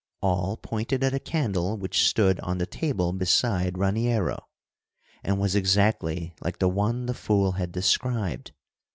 All pointed at a candle which stood on the table beside Raniero, and was exactly like the one the fool had described.